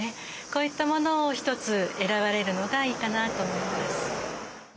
こういったものを一つ選ばれるのがいいかなと思います。